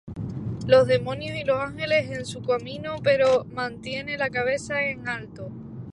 Los demonios y los ángeles en su camino, pero mantiene la cabeza en alto.